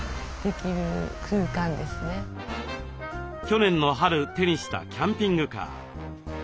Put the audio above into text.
去年の春手にしたキャンピングカー。